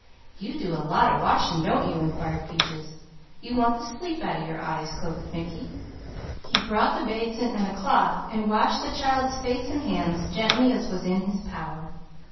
"You do a lot of washin', don't you?" inquired Peaches. "You want the sleep out of your eyes," coaxed Mickey. He brought the basin and a cloth, washing the child's face and hands gently as was in his power.